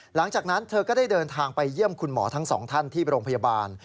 หลังจากนั้นเธอก็ได้เดินทางไปเยี่ยมคุณหมอทั้งสองท่านที่โรงพยาบาล